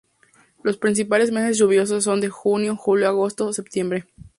Los principales meses lluviosos son junio, julio, agosto, septiembre.